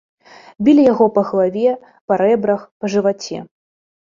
Білі яго па галаве, па рэбрах, па жываце.